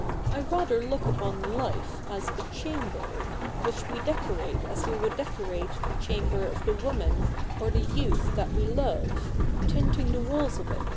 I rather look upon fife as a chamber, which we decorate as we would decorate the chamber of the woman or the youth that we love, tinting the walls of it with CH.